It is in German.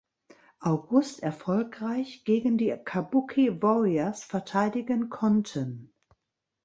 August erfolgreich gegen die Kabuki Warriors verteidigen konnten.